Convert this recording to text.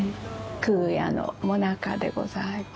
空也のもなかでございます。